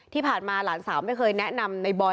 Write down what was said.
ที่ผ่านมาหลานสาวไม่เคยแนะนำในบอย